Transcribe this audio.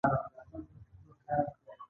تاسې ترې خبر شوي او د هواري لپاره يې هيله لرئ.